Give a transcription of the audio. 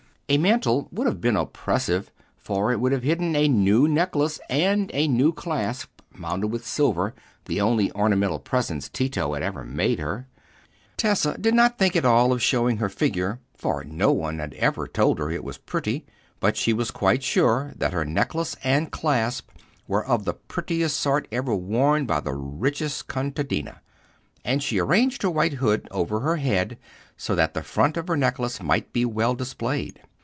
A mantle would have been oppressive, for it would have hidden a new necklace and a new clasp, mounted with silver, the only ornamental presents Tito had ever made her. Tessa did not think at all of showing her figure, for no one had ever told her it was pretty; but she was quite sure that her necklace and clasp were of the prettiest sort ever worn by the richest contadina, and she arranged her white hood over her head so that the front of her necklace might be well displayed.